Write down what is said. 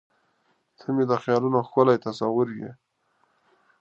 • ته مې د خیالونو ښکلی تصور یې.